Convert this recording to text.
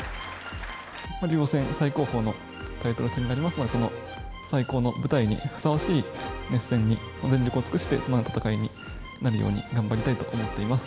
竜王戦最高峰のタイトル戦になりますので、その最高の舞台にふさわしい熱戦に全力を尽くして、そのような戦いになるように頑張りたいと思っています。